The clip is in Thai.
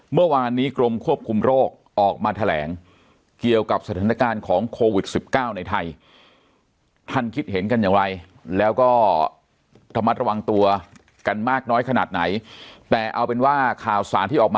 เมื่อวานนี้กรมควบคุมโรคออกมาแถลง